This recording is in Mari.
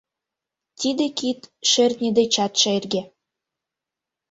Тиде кид шӧртньӧ дечат шерге.